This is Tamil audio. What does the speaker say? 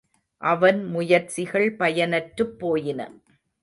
அவன் முயற்சிகள் பயனற்றுப்போயின.